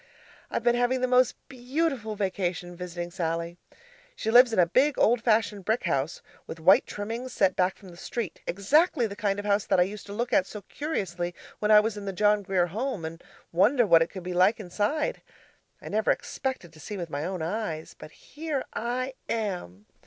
I've been having the most beautiful vacation visiting Sallie. She lives in a big old fashioned brick house with white trimmings set back from the street exactly the kind of house that I used to look at so curiously when I was in the John Grier Home, and wonder what it could be like inside. I never expected to see with my own eyes but here I am!